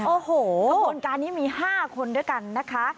โอ้โหขบวนการนี้มี๕คนด้วยกันนะคะ